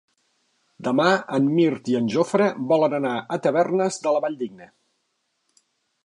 Demà en Mirt i en Jofre volen anar a Tavernes de la Valldigna.